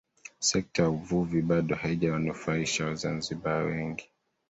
Sekta ya uvuvi bado haijawanufaisha Wazanzibari wengi